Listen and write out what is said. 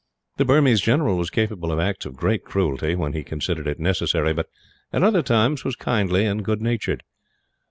The Burmese general was capable of acts of great cruelty, when he considered it necessary; but at other times was kindly and good natured.